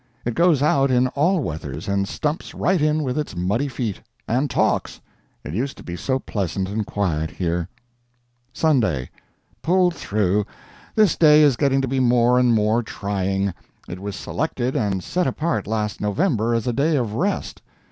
It goes out in all weathers, and stumps right in with its muddy feet. And talks. It used to be so pleasant and quiet here. SUNDAY. Pulled through. This day is getting to be more and more trying. It was selected and set apart last November as a day of rest.